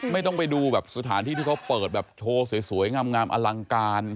ไม่ต้องไปดูแบบสถานที่ที่เขาเปิดแบบโชว์สวยงามอลังการ